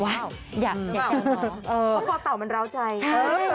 หรือเปล่าเออเพราะคอเต่ามันร้าวใจใช่